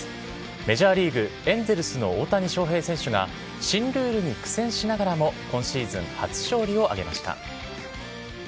メジャーリーグエンゼルスの大谷翔平選手が新ルールに苦戦しながらも今シーズン初勝利を挙げました。